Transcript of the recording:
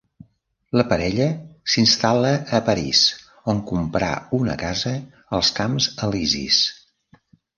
La parella s'instal·la a París on comprà una casa als Camps Elisis.